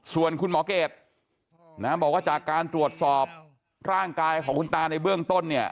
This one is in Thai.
ส่วนคุณหมอเกรดนะบอกว่าจากการตรวจสอบร่างกายของคุณตาในเบื้องต้นเนี่ย